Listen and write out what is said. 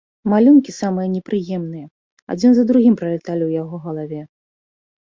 Малюнкі самыя непрыемныя адзін за другім праляталі ў яго галаве.